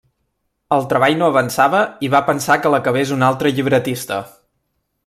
El treball no avançava i va pensar que l'acabés un altre llibretista.